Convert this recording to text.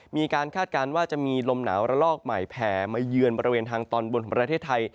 คาดการณ์ว่าจะมีลมหนาวระลอกใหม่แผ่มาเยือนบริเวณทางตอนบนของประเทศไทย